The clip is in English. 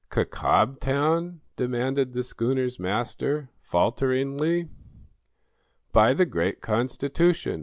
"C Cob town?" demanded the schooner's master, falteringly. "By the great Constitution!